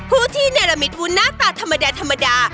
ผู้ที่เนรมิตวุ้นหน้าตาธรรมดา